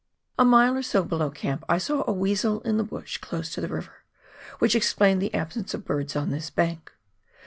A mile or so below camp I saw a weasel in the bush close to the river, which explained the absence of birds on this bank.